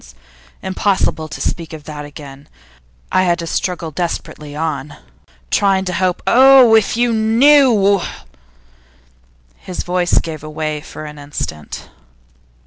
Impossible to speak of that again; I had to struggle desperately on, trying to hope. Oh! if you knew ' His voice gave way for an instant.